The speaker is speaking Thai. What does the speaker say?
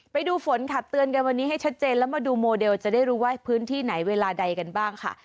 ไปดูฝนค่ะเตือนกันวันนี้ให้ชัดเจนแล้วมาดูโมเดลจะได้รู้ว่าพื้นที่ไหนเวลาใดกันบ้างค่ะ